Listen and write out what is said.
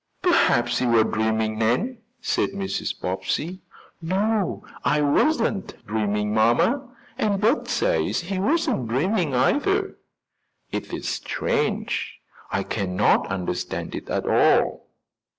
"Perhaps you were dreaming, Nan," said Mrs. Bobbsey. "No, I wasn't dreaming, mamma, and Bert says he wasn't dreaming either." "It is strange. I cannot understand it at all."